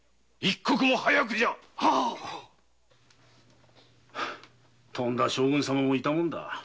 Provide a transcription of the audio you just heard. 早くじゃとんだ将軍様もいたもんだ。